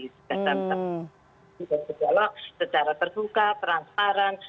dan berdialog secara terbuka perantaran